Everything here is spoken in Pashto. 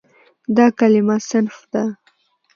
دا کلمه "صنف" ده.